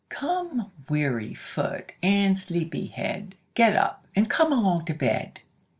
Come, weary foot, and sleepy head, Get up, and come along to bed."